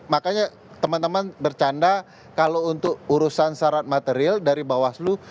makanya teman teman bercanda kalau untuk urusan syarat material dari bawaslu